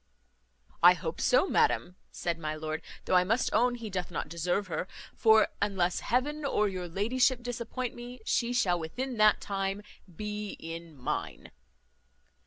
"I hope so, madam," said my lord; "though I must own he doth not deserve her; for, unless heaven or your ladyship disappoint me, she shall within that time be in mine."